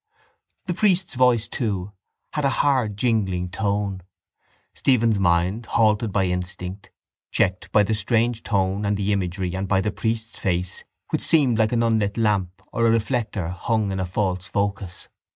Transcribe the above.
The priest's voice, too, had a hard jingling tone. Stephen's mind halted by instinct, checked by the strange tone and the imagery and by the priest's face which seemed like an unlit lamp or a reflector hung in a false focus.